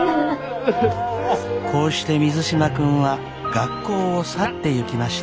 こうして水島君は学校を去っていきました。